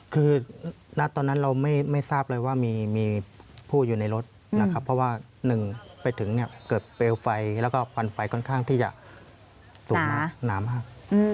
คือณตอนนั้นเราไม่ทราบเลยว่ามีผู้อยู่ในรถนะครับเพราะว่าหนึ่งไปถึงเนี่ยเกิดเปลวไฟแล้วก็ควันไฟค่อนข้างที่จะสูงมากหนามาก